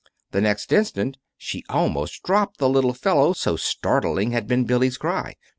The next instant she almost dropped the little fellow, so startling had been Billy's cry.